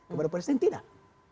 kepada presiden tidak